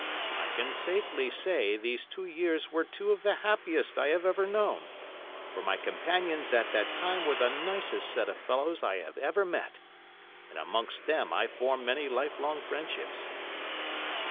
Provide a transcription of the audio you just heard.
I can safely say these two years were two of the happiest I have ever known, for my companions at that time were the nicest set of fellows I have ever met, and amongst them I formed many lifelong friendships.